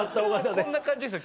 こんな感じですよ